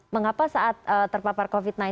mengapa saat terpapar covid sembilan belas